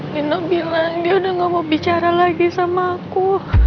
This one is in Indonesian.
nino bilang dia udah gak mau bicara lagi sama aku